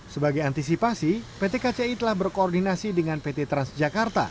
sebagai antisipasi pt kci telah berkoordinasi dengan pt transjakarta